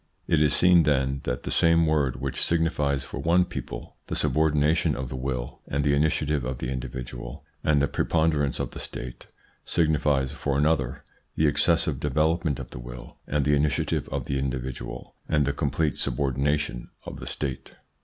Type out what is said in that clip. It is seen, then, that the same word which signifies for one people the subordination of the will and the initiative of the individual and the preponderance of the State, signifies for another the excessive development of the will and the initiative of the individual and the complete subordination of the State.